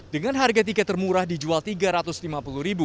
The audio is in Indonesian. dengan harga tiket termurah dijual rp tiga ratus lima puluh